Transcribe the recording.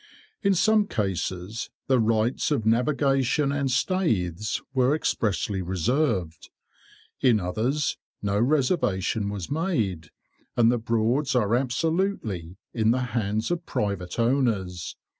In some cases the rights of navigation and staithes were expressly reserved. In others no reservation was made, and the Broads are absolutely in the hands of private owners.